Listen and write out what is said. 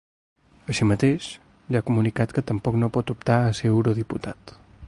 Així mateix li ha comunicat que tampoc no pot optar a ser eurodiputat.